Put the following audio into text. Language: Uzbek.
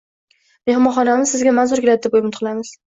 Mehmonxonamiz sizga manzur keladi deb umid qilamiz.